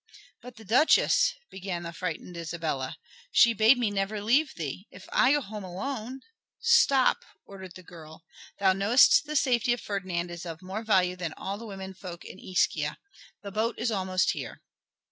"But the Duchess " began the frightened Isabella. "She bade me never leave thee. If I go home alone " "Stop!" ordered the girl. "Thou knowest the safety of Ferdinand is of more value than all the womenfolk in Ischia. The boat is almost here."